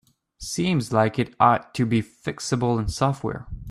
Seems like it ought to be fixable in software.